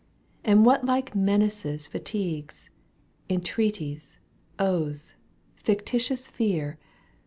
And what like menaces fatigues, Entreaties, oaths, fictitious fear.